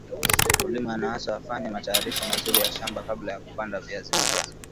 Mkulima anaaswa afanye matayarisho mazuri ya shamba kabla ya kupanda viazi viazi